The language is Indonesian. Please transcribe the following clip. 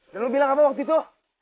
dan lu bilang apa waktu itu